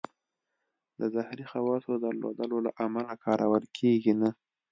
د زهري خواصو درلودلو له امله کارول کېږي نه.